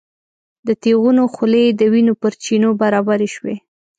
د تیغونو خولې د وینو پر چینو برابرې شوې.